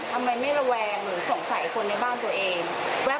ทำไมไม่ระแวงหรือสงสัยคนในบ้านตัวเอง